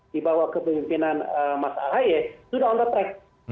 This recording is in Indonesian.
di bawah kepemimpinan mas ahaye sudah on the track